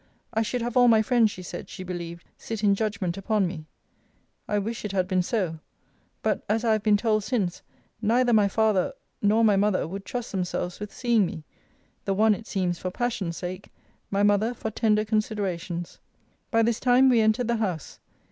I should have all my friends, she said, she believed, sit in judgment upon me. I wish it had been so. But, as I have been told since, neither my father for my mother would trust themselves with seeing me: the one it seems for passion sake; my mother for tender considerations. By this time we entered the house.